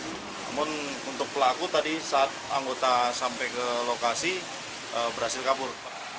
namun untuk pelaku tadi saat anggota sampai ke lokasi berhasil kabur